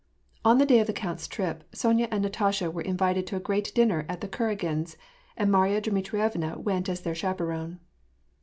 On the day of the count's trip, Sonya and Natasha were in vited to a great dinner at the Kuragins, and Marya Dmitrievna went as their chaperone.